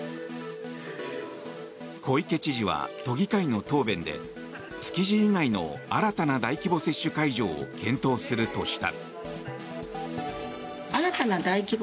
小池知事は、都議会の答弁で築地以外の新たな大規模接種会場を検討するとした。